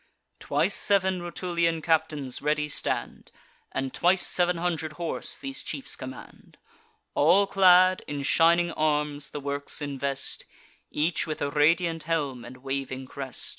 Twice seven Rutulian captains ready stand, And twice seven hundred horse these chiefs command; All clad in shining arms the works invest, Each with a radiant helm and waving crest.